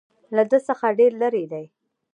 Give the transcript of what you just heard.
له ده څخه ډېر لرې دي.